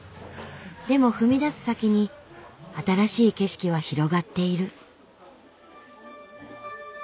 でも踏み出す先に新しい景色は広がっている。